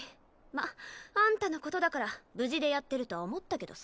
まっあんたのことだから無事でやってるとは思ったけどさ。